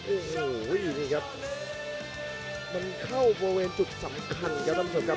โอ้โหอยู่นี่ครับมันเข้าบริเวณจุดสำคัญครับท่านผู้ชมครับ